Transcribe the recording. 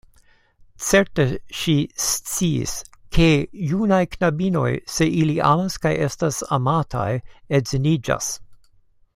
Certe, ŝi sciis; ke junaj knabinoj, se ili amas kaj estas amataj, edziniĝas.